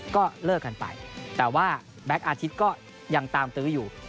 ก็เลิกกันไปแต่ว่าแบ็คอาทิตย์ก็ยังตามตื้ออยู่